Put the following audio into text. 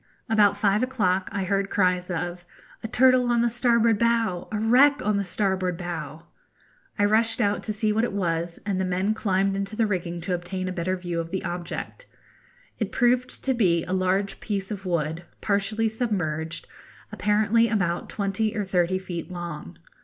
About five o'clock I heard cries of 'A turtle on the starboard bow,' 'A wreck on the starboard bow.' I rushed out to see what it was, and the men climbed into the rigging to obtain a better view of the object. It proved to be a large piece of wood, partially submerged, apparently about twenty or thirty feet long.